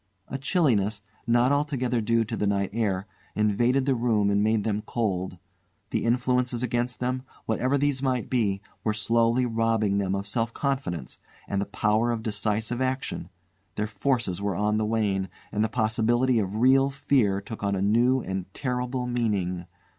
A chilliness, not altogether due to the night air, invaded the room, and made them cold. The influences against them, whatever these might be, were slowly robbing them of self confidence, and the power of decisive action; their forces were on the wane, and the possibility of real fear took on a new and terrible meaning.